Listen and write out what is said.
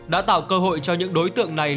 đã tạo cơ hội cho những đối tượng này